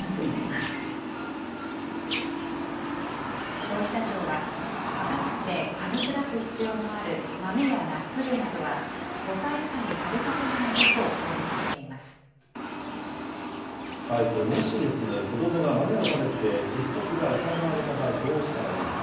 消費者庁は、硬くてかみ砕く必要のある豆やナッツ類などは５歳以下に食べさせこれ、もし子どもが豆を食べて窒息が疑われた場合、どうしたらいいのか。